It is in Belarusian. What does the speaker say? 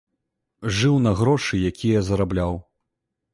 Жыў на грошы, якія зарабляў.